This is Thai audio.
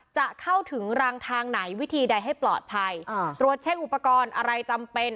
จะเข้าถึงรังทางไหนวิธีใดให้ปลอดภัยอ่าตรวจเช็คอุปกรณ์อะไรจำเป็น